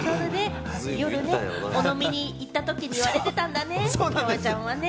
飲みに行ったときに言われてたんだね、山ちゃんはね。